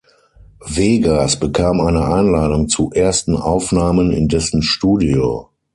Vegas bekam eine Einladung zu ersten Aufnahmen in dessen Studio.